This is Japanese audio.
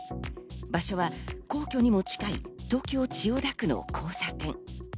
場所は皇居にも近い東京・千代田区の交差点。